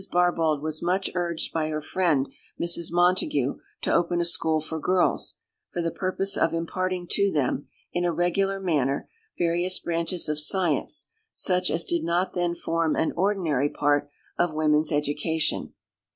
Barbauld was much urged by her friend Mrs. Montague to open a school for girls, for the purpose of imparting to them, in a regular manner, various branches of science, such as did not then form an ordinary part of women's education.